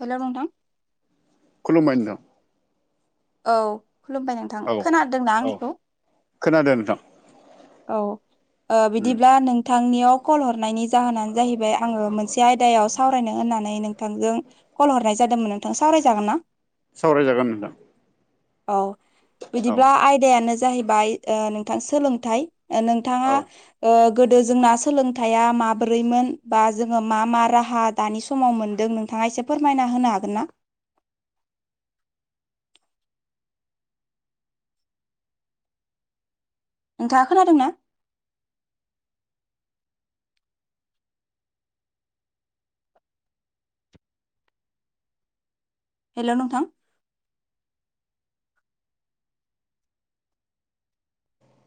Hello नोंथां। खुलुमबाय नोंथां। औ खुलुमबाय नोंथां औ खोनादों ना औ आंनिखौ। खोनादों नोंथां औ उम बिदिब्ला नों नोंथांनियाव कल हरनायनि जाहोनानो जाहैबाय आङो मोनसे आयदायाव सावरायनो होननानै नोंथांजों। कल हरनाय जादोंमोन नोंथां सावरायजागोनना नोंथां सावरायजागोन नोंथां। औ औ बिदिब्ला आयदायानो जाहैबाय नोंथां सोलोंथाइ। नोंथाङा औ गोदो जोंना सोलोंथाइया माबोरैमोन बा जोङो मा मा राहा दानि समाव मोन्दों नोंथाङा एसे फोरमायना होनो हागोन ना? नोंथाङा खोनादों ना? हेलौ नोंथां।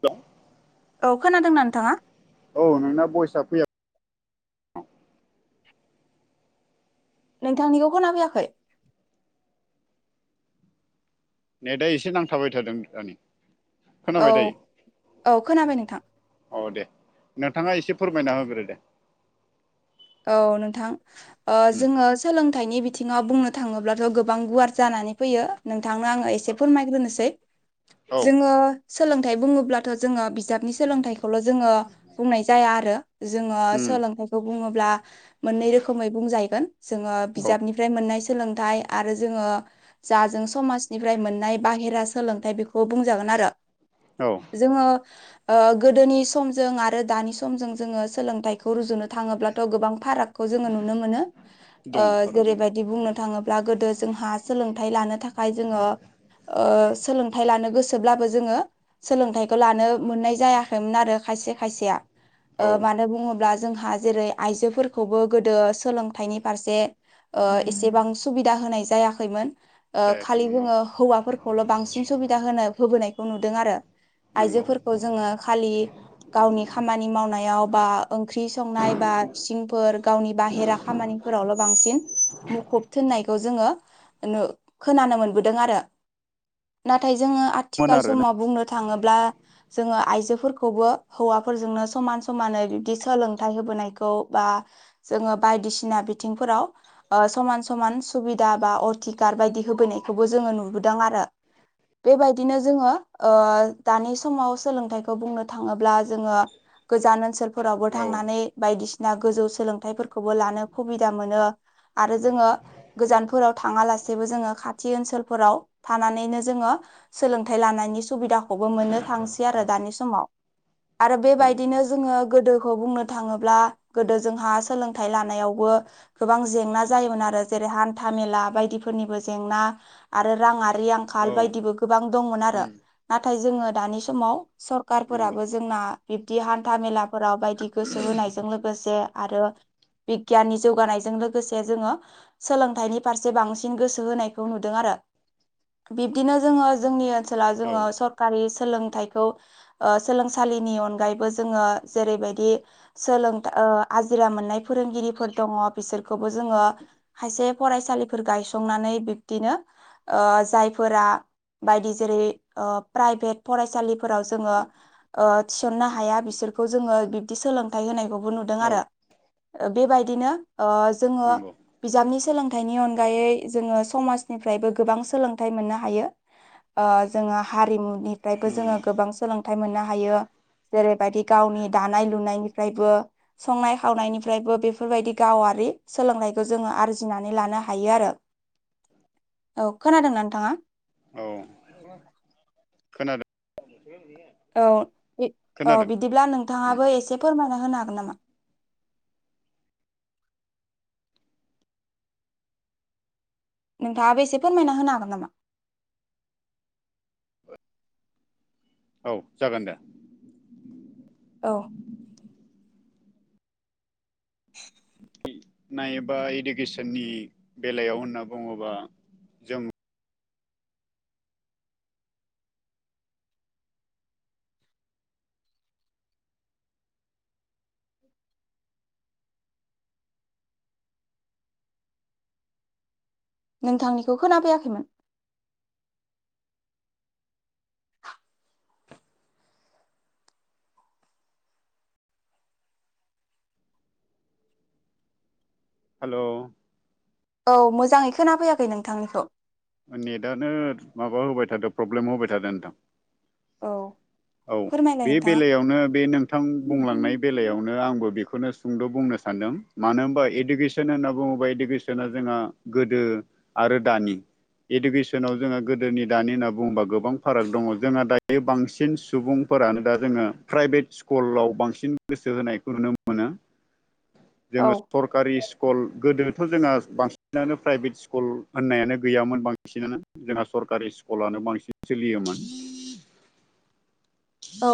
दं। औ खोनादोंना नोंथाङा? औ नोंना बयसा फैयाखै नोंथांनिखौ खोना फैयाखै। ने दा एसे नांथाबाय थादों दानि। औ खोनाबाय दायो औ खोनाबाय नोंथां। औ दे नोंथाङा एसे फोरमायना होग्रो दे। औ नोंथां उम जोङो। सोलोंथाइनि बिथिङाव बुंनो थाङोब्लाथ' गोबां गुवार जानानै फैयो। नोंथांनो आङो एसे फोरमायग्रोनोसै औ जोङो। सोलोंथाइ बुङोब्लाथ' जोङो बिजाबनि सोलोंथाइ। खौल' जोङो बुंनाय जाया आरो जोङो उम सोलोंथाइखौ बुङोब्ला। मोननै रोखोमै बुंजाहैगोन जोङो औ बिजाबनिफ्राय मोननाय सोलोंथाइ आरो जोङो। जा जों समाजनिफ्राय मोननाय बाहेरा सोलोंथाइ बेखौ बुंजागोन आरो। औ। जोङो गोदोनि समजों आरो दानि समजों जोङो सोलोंथाइखौ रुजुनो थाङो। गोबां फाराजखौ जोङो नुनो मोनो दङ ओ फाराग जेरैबायदि बुंनो थाङो ब्ला गोदो जोंहा सोलोंथाइ लानो थाखाय जोङो। ओ सोलोंथाइ लानो गोसोब्लाबो जोङो। सोलोंथाइखौ लानो मोननाय जायाखैमोन आरो खायसे खायसेया। औ ओ मानो बुङोब्ला जोंहा जेरै आइजोफोरखौबो गोदो सोलोंथाइनि फारसे ओ एसेबां सुबिदा होनाय जायाखैमोन। ओ खालि जायाखैमोन औ जोङो हौवाफोरखौल' बांसिन सुबिदा होनो होबोनायखौ नुदों आरो। नंगौ आइजोफोरखौ जों। जङो खालि गावनि खामानि मावनायाव बा ओंख्रि संनाय बा। इसिंफोर गावनि बाहेरा खामानिफोरावल' बांसिन मुखुब थिोननायखौ जोङो। खोनानो मोनबोदों आरो नाथाय जोङो मोन आथिखाल आरो ना समाव बुंनो। थाङोब्ला जोङो आइजोफोरखौबो हौवाफोरजोंनो समान समानै बिब्दि सोलोंथायाइ होबोनायखौ खौ बा जोङो बायदिसिना बिथिंफोराव ओ समान समान सुबिदा बा अटिकार बायदि होबैयनायखौबो जोङो नुबोदों आरो। बेबायदिनो जोङो दानि समाव सोलोंथाइखौ बुंनो थाङोब्ला जोङो गोजान ओनसोलफोरावबो औ थांनानै बायदिसिना गोजौ सोलोंथाइफोरखौबो लानो सुबिदा मोनो आरो जोङो गोजानफोराव थाङालासेबो जोङो खाथि ओनसोलफोराव थानानैनो जोङो सोलोंथाइ लानायनि सुबिदाखौबो मोननो थांसै आरो दानि समाव। आरो औ बेबायदिनो जोङो गोदोखौ बुंनो थाङोब्ला अब्ला गोदो जोंहा सोलोंथाइ लानायावबो गोबां जेंना जायोमोन आरो जेरै हान्था मेला बायदिफोरनिबो जेंना आरो राङारि औ आंखाल बायदिबो गोबां दंमोन आरो उम नाथाय जोङो दानि समाव नंगौ सरकारफोराबो जोंना बिब्दि हान्था मेलाफोराव बायदि गोसो होनाय जों लोगोसे आरो बिगियाननि जौगानायजों लोगोसे जोङो सोलोंथाइनि फारसे बांसिन गोसो होनायखौ नुदों आरो‌। बिब्दिनो जोङो जोंनि ओनसोला औ जोङो स सरखारि सोलोंथाइखौ सोलोंसालिनि अनगायैबो जोङो जेरैबायदि सोलोंथ आजिरा मोननाय फोरोंगिरिफोर दङ बिसोरखौबो जोङो खायसे फरायसालिफोर गायसंनानै बिब्दिनो ओ जायफोरा बायदि जेरै प्राइभेट फरायसालिफोराव जोङो थिसननो हाया बिसोरखौ जोङो बिब्दि सोलों थाय होनायखौबो नुदों औ आरो बेबायदिनो ओ जोङो नंगौ बिजाबनि सोलोंथाइनि अनगायै जोङो समाजनिफ्रायबो गोबां सोलोंथाइ मोननो हायो। ओ जोङो हारिमुनि फ्रायबो उम जोङो गोबां सोलोंथाइ मोननो हायो जेरैबायदि गावनि दानाय लुनायनि फ्रायबो संनाय खावनायनिफ्रायबो बेफोरबायदि गावारि सोलोंनायखौ जोङो आरजिनानै लानो हायो आरो। औ खोनादोंना नोंथाङा? औ खोनादों औ औ खोनादों बिदिब्ला उम नोंथाङाबो एसे फोरमायना होनो हागोन नामा? नोंथाङाबो एसे फोरमायना होनो हागोन नामा? औ जागोन दे। औ नायोबा इडुकेसननि बेलायाव होनना बुङोबा जों नोंथांनिखौ खोनाफैयाखैमोन। हेलौ औ मोजाङै खोना फैयाखै नोंथांनिखौ। नेटानो माबा होबाय थादों प्रब्लेम होबाय थादों नोंथां। औ औ फोरमायलाय बे नोंथाङा बेलायावनो बे नों थां बुंलांनाय बेलायावनो आंबो बेखौनो सुंद' बुंनो सानदों मानो होनबा इडुकेसन होनना बुङोबा इदुकेसना जोंहा गोदो आरो दानि इडुकेसनाव जोंङहा गोदोनि दानि होनना बुङोबा गोबां फाराग दङ जोंहा दायो बांसिन सुबुं फोरानो दा जोङो प्राइभेट स्कुलाव बांसिन गोसो होनायखौ नुनो मोनो। जोङो औ सरकारि स्कुल गोदोथ'श जोंहा बांसिनानो प्राइभेट स्कुल होननायानो गैयामोन। बांसिनानो जोंहा सरकारि स्कुलानो बांसिन सोलियोमोन। औ